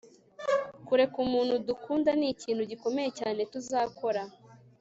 kureka umuntu dukunda nikintu gikomeye cyane tuzakora